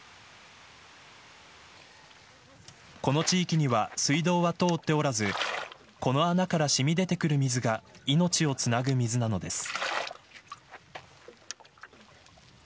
この地域には水道は通っておらずこの穴からしみ出てくる水が命をつなぐ水なのです。